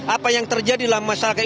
apa yang terjadi dalam masyarakat